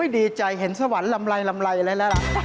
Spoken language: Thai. ดีใจเห็นสวรรค์ลำไรเลยนะครับ